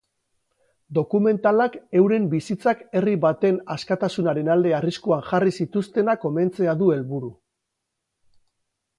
Dokumentalak euren bizitzak herri baten askatasunaren alde arriskuan jarri zituztenak omentzea du helburu.